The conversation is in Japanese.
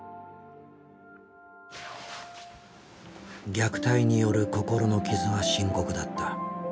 虐待による心の傷は深刻だった。